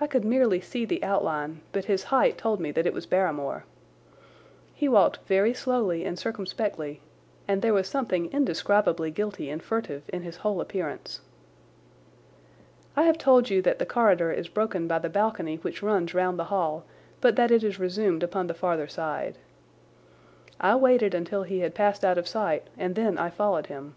I could merely see the outline, but his height told me that it was Barrymore. He walked very slowly and circumspectly, and there was something indescribably guilty and furtive in his whole appearance. I have told you that the corridor is broken by the balcony which runs round the hall, but that it is resumed upon the farther side. I waited until he had passed out of sight and then I followed him.